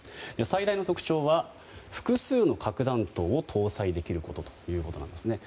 最大の特徴は複数の核弾頭を搭載できることなんですね。